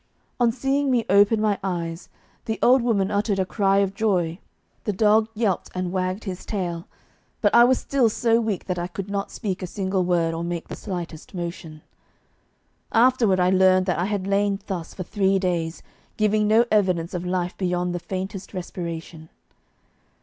On seeing me open my eyes, the old woman uttered a cry of joy, the dog yelped and wagged his tail, but I was still so weak that I could not speak a single word or make the slightest motion. Afterward I learned that I had lain thus for three days, giving no evidence of life beyond the faintest respiration.